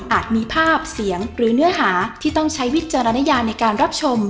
มีภาพเสียงหรือเนื้อหาที่ต้องใช้วิจารณญาในการรับชม